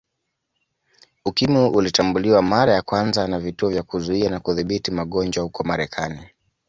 Ukimwi ulitambuliwa mara ya kwanza na Vituo vya Kuzuia na Kudhibiti magonjwa huko Marekani